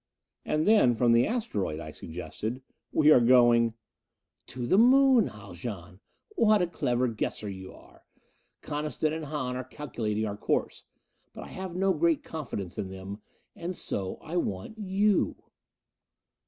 "And then, from the asteroid," I suggested, "we are going " "To the Moon, Haljan. What a clever guesser you are! Coniston and Hahn are calculating our course. But I have no great confidence in them. And so I want you."